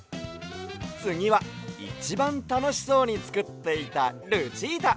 つぎはいちばんたのしそうにつくっていたルチータ！